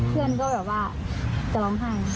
เพื่อนก็แบบว่าจะร้องไห้